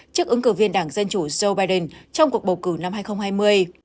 trước ứng cử viên đảng dân chủ joe biden trong cuộc bầu cử năm hai nghìn hai mươi